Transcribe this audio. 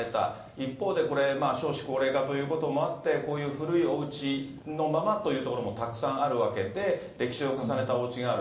一方で、これ、少子高齢化ということもあって、こういう古いおうちのままという所もたくさんあるわけで、歴史を重ねたおうちがある。